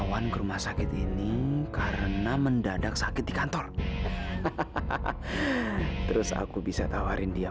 sampai jumpa di video selanjutnya